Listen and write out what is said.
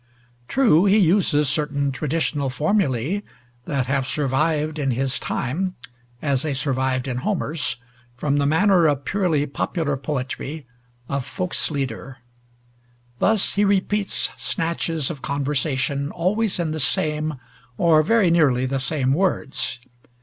True, he uses certain traditional formulae, that have survived in his time, as they survived in Homer's, from the manner of purely popular poetry, of Volkslieder. Thus he repeats snatches of conversation always in the same, or very nearly the same words.